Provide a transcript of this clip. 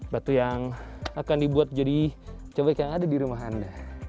batu yang akan dibuat jadi cobek yang ada di rumah anda